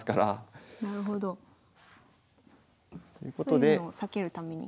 そういうのを避けるために。